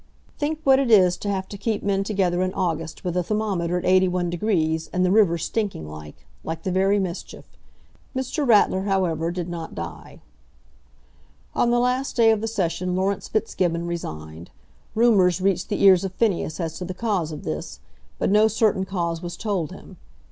Think what it is to have to keep men together in August, with the thermometer at 81°, and the river stinking like, like the very mischief." Mr. Ratler, however, did not die. On the last day of the session Laurence Fitzgibbon resigned. Rumours reached the ears of Phineas as to the cause of this, but no certain cause was told him.